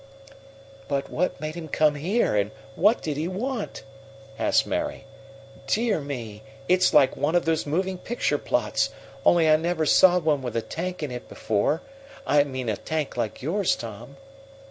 "But what made him come here, and what did he want?" asked Mary. "Dear me! it's like one of those moving picture plots, only I never saw one with a tank in it before I mean a tank like yours, Tom."